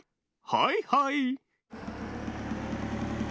はいはい。